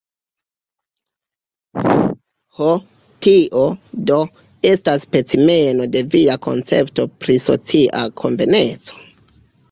Ho, tio, do, estas specimeno de via koncepto pri socia konveneco?